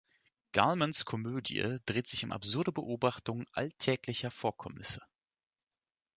Gulmans Komödie dreht sich um absurde Beobachtungen alltäglicher Vorkommnisse.